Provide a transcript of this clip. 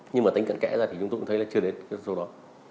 nhưng mà tính cận kẽ ra thì chúng tôi cũng thấy là chưa đến đâu đó